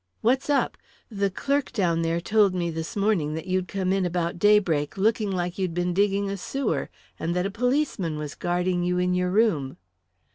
"What's up? The clerk down there told me this morning that you'd come in about daybreak looking like you'd been digging a sewer, and that a policeman was guarding you in your room."